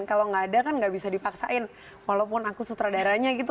kalau nggak ada kan gak bisa dipaksain walaupun aku sutradaranya gitu